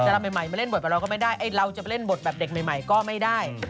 แต่เราใหม่มาเล่นบทแบบเราก็ไม่ได้ไอ้เราจะไปเล่นบทแบบเด็กใหม่ก็ไม่ได้